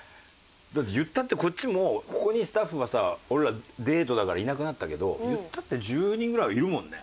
だって言ったってこっちもここにスタッフがさ俺らデートだからいなくなったけど言ったって１０人ぐらいはいるもんね。